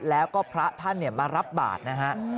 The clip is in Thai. แล้วก็พระท่านมารับบาทนะฮะ